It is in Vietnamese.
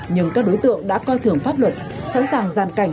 nhưng các đối tượng đã coi thường pháp luật sẵn sàng gian cảnh